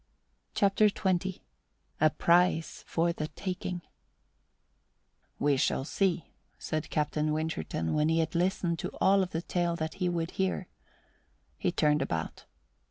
CHAPTER XX A PRIZE FOR THE TAKING "We shall see," said Captain Winterton, when he had listened to all of the tale that he would hear. He turned about.